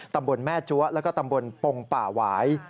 ตำบลแม่จั๊วแล้วก็ตำบลปงป่าหวาย